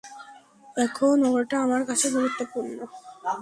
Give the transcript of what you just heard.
এখন ওরটা আমার কাছে গুরুত্বপূর্ণ।